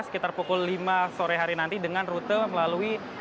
sekitar pukul lima sore hari nanti dengan rute melalui